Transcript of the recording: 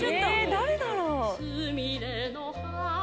誰だろう？